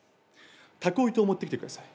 たこ糸を持ってきてください。